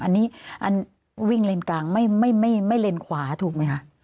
อันนี้วิ่งเลนกลางไม่เลนขวาถูกไหมคะ